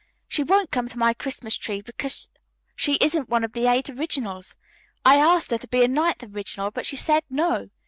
She won't come to my Christmas tree because she isn't one of the Eight Originals. I asked her to be a Ninth Original, but she said 'No.'